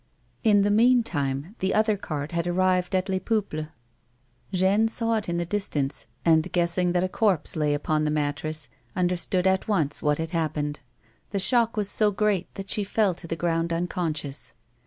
In the meantime, the other cart had arrived at Les Peuples. Jeanne saw it in the distance, and, guessing that a corpse lay upon the mattress, understood at once what had happened ; the shock was so great that she fell to the ground unconscious.